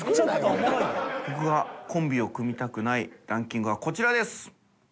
僕がコンビを組みたくないランキングはこちらです。